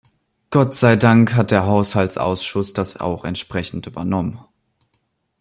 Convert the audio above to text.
Gott sei Dank hat der Haushaltsausschuss das auch entsprechend übernommen.